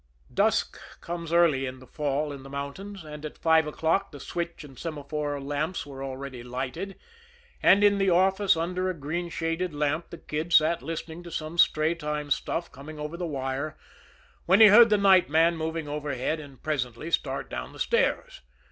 Dusk comes early in the fall in the mountains, and at five o'clock the switch and semaphore lamps were already lighted, and in the office under a green shaded lamp the Kid sat listening to some stray time stuff coming over the wire, when he heard the night man moving overhead and presently start down the stairs.